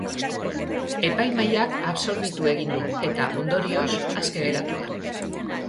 Epaimahaiak absolbitu egin du, eta, ondorioz, aske geratu da.